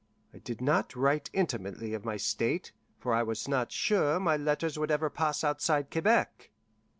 I did not write intimately of my state, for I was not sure my letters would ever pass outside Quebec.